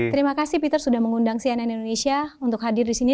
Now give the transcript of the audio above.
terima kasih peter sudah mengundang cnn indonesia untuk hadir di sini